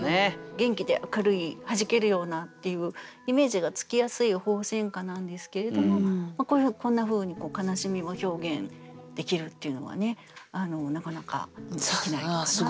元気で明るい弾けるようなっていうイメージがつきやすい鳳仙花なんですけれどもこんなふうに悲しみを表現できるっていうのはねなかなかできない句かなと思います。